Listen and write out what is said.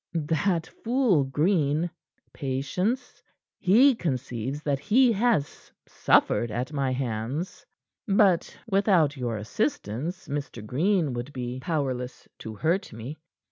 That fool Green patience he conceives that he has suffered at my hands. But without your assistance Mr. Green would be powerless to hurt me.